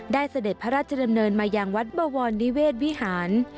ได้เสด็จพระราชเรำเนินมาอย่างวัดปะวรนิเวศวิหาร